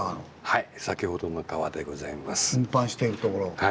はい。